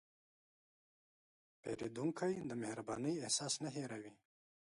پیرودونکی د مهربانۍ احساس نه هېروي.